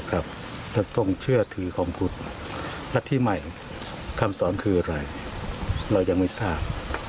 และที่ใหม่คำสอนคืออะไรเรายังไม่ทราบ